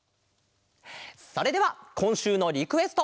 それではこんしゅうのリクエスト。